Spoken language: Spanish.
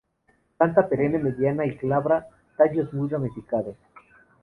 Planta perenne, mediana y glabra; tallos muy ramificados.